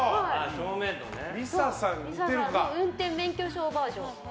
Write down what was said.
運転免許証バージョン。